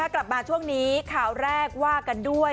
กลับมาช่วงนี้ข่าวแรกว่ากันด้วย